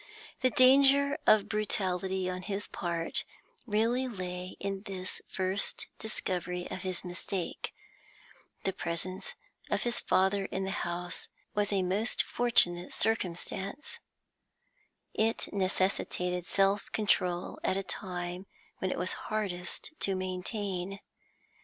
The danger of brutality on his part really lay in this first discovery of his mistake; the presence of his father in the house was a most fortunate circumstance; it necessitated self control at a time when it was hardest to maintain.